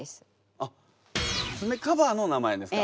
あっ爪カバーの名前ですか。